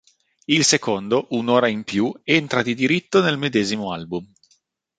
Il secondo, “Un’ora in più” entra di diritto nel medesimo album.